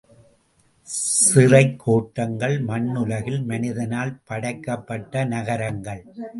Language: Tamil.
சிறைக் கோட்டங்கள் மண்ணுலகில் மனிதனால் படைக்கப்பட்ட நகரங்கள்.